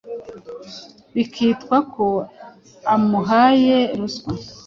bikitwa ko amuhaye “ruswa”.